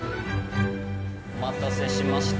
お待たせしました。